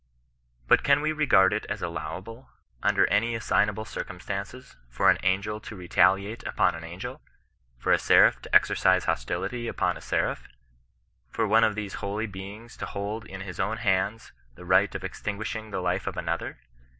But can we re gard it as allowable, under any assignable circumstances, for an angel to retaliate upon an angel, for a seraph to exercise hostility upon a seraph, for one of these holy beings to hold in his own hands the right of extinguish ing the life of another